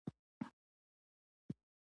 د بندونو درد لپاره د زیتون تېل وکاروئ